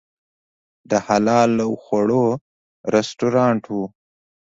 د حلال خواړو رستورانت و.